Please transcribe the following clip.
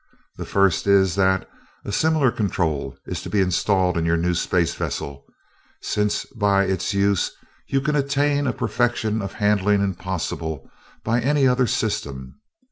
The first is that a similar control is to be installed in your new space vessel, since by its use you can attain a perfection of handling impossible by any other system.